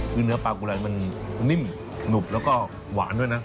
คือเนื้อปลากุไรมันนิ่มหนุบแล้วก็หวานด้วยนะ